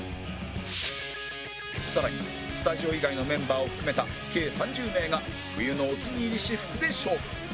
更にスタジオ以外のメンバーを含めた計３０名が冬のお気に入り私服で勝負